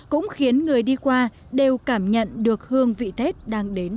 cũng khiến người đi qua đều cảm nhận được hương vị tết đang đến